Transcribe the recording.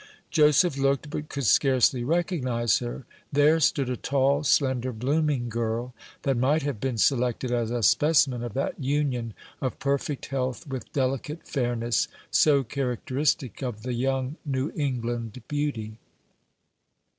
Joseph looked, but could scarcely recognize her. There stood a tall, slender, blooming girl, that might have been selected as a specimen of that union of perfect health with delicate fairness so characteristic of the young New England beauty.